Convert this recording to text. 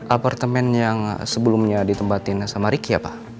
apartemen yang sebelumnya ditempatin sama ricky ya pak